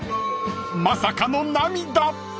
［まさかの］